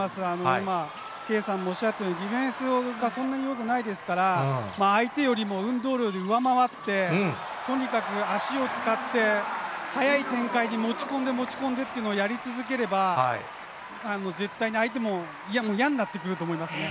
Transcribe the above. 今、圭さんもおっしゃったように、ディフェンスがそんなによくないですから、相手よりも運動量で上回って、とにかく足を使って、はやい展開に持ち込んで持ち込んでっていうのをやり続ければ、絶対に相手ももう嫌になってくると思いますね。